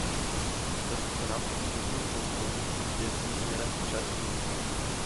Daří se nám pozitivní posun věcí směrem vpřed?